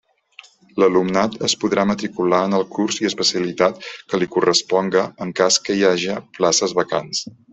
L'alumnat es podrà matricular en el curs i especialitat que li corresponga en cas que hi haja places vacants.